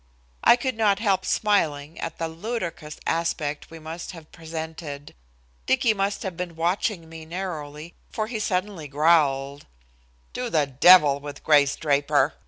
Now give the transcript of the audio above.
I could not help smiling at the ludicrous aspect we must have presented. Dicky must have been watching me narrowly, for he suddenly growled: "To the devil with Grace Draper!"